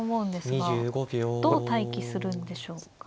どう待機するんでしょうか。